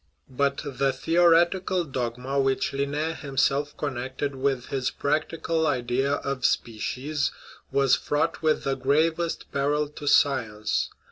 But the theoretical dogma which Linne himself con nected with his practical idea of species was fraught with the gravest peril to science.